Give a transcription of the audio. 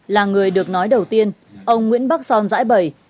là người được nói đầu tiên ông nguyễn bắc son giãi bẩy